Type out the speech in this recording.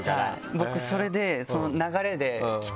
僕それで。